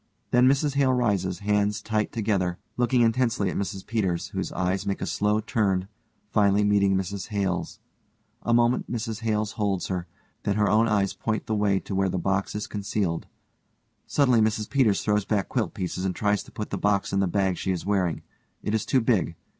Then_ MRS HALE rises, hands tight together, looking intensely at MRS PETERS, whose eyes make a slow turn, finally meeting MRS HALE_'s. A moment_ MRS HALE holds her, then her own eyes point the way to where the box is concealed. Suddenly MRS PETERS _throws back quilt pieces and tries to put the box in the bag she is wearing. It is too big.